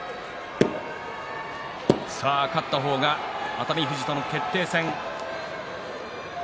勝った方が熱海富士との決定戦。